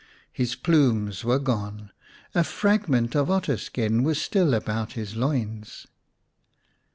His plumes were gone, a fragment of otter skin was still about his loins.